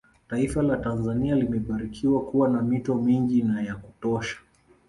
Taifa la Tanzania limebarikiwa kuwa na mito mingi na ya kutosha